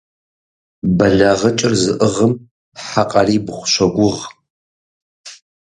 БэлагъыкӀыр зыӀыгъым хьэ къарибгъу щогугъ.